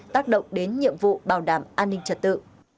tác động đến nhiệm vụ bảo đảm an ninh trật tự